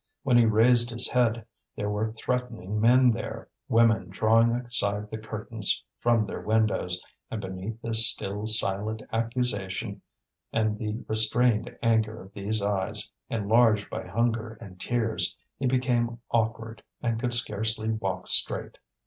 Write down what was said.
When he raised his head there were threatening men there, women drawing aside the curtains from their windows; and beneath this still silent accusation and the restrained anger of these eyes, enlarged by hunger and tears, he became awkward and could scarcely walk straight.